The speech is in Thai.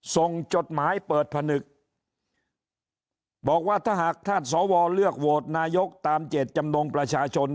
จดหมายเปิดผนึกบอกว่าถ้าหากท่านสวเลือกโหวตนายกตามเจตจำนงประชาชน